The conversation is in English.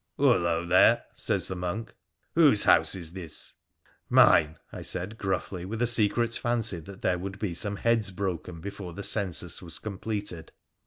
' Hullo, there !' says the monk. ' Whose house is this ?'' Mine,' I said gruffly, with a secret fancy that there would be some heads broken before the census was completed.